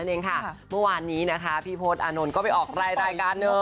เมื่อวานนี้พี่โพศอนนท์ก็ไปออกรายรายการ